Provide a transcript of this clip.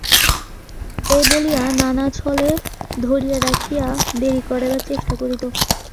এই বলিয়া নানা ছলে ধরিয়া রাখিয়া দেরি করাইবার চেষ্টা করিত।